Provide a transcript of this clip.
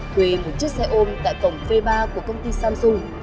thuê một chiếc xe ôm tại cổng v ba của công ty samsung